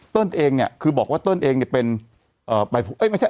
เองเนี่ยคือบอกว่าเติ้ลเองเนี่ยเป็นเอ่อใบเอ้ยไม่ใช่